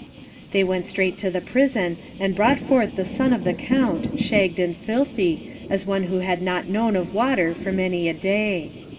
They went straight to the prison, and brought forth the son of the Count, shagged and filthy, as one who had not known of water for many a day.